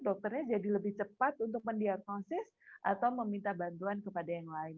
dokternya jadi lebih cepat untuk mendiagnosis atau meminta bantuan kepada yang lain